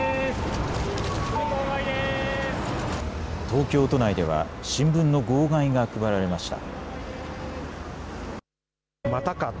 東京都内では新聞の号外が配られました。